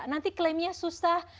nanti klaimnya susah